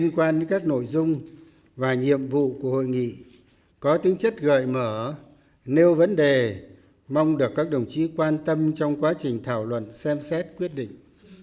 quan các nội dung và nhiệm vụ của hội nghị có tính chất gợi mở nêu vấn đề mong được các đồng chí quan tâm trong quá trình thảo luận xem xét quyết định